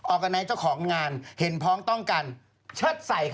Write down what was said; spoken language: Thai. กาไนท์เจ้าของงานเห็นพ้องต้องกันเชิดใส่ค่ะ